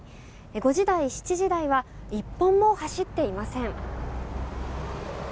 ５時台、７時台は１本も走っていません。